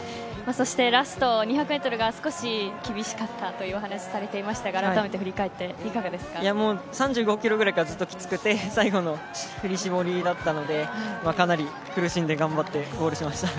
ラスト２００メートルが少し厳しかったという話をされていましたが３５キロぐらいからすごくきつくて最後の振り絞りだったのでかなり苦しんで頑張ってゴールしました。